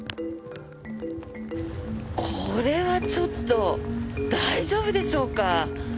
これはちょっと大丈夫でしょうか？